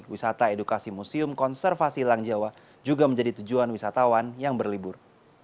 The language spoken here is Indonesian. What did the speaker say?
wisata edukasi museum konservasi lang jawa juga menjadi tujuan wisatawan yang berlibur